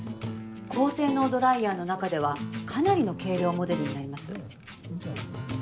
高性能ドライヤーの中ではかなりの軽量モデルになります。